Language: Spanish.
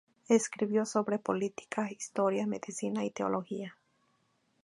Escribió sobre política, historia, medicina y teología.